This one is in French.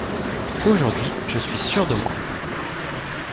Aujourd'hui, je suis sûr de moi.